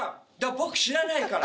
僕知らないから。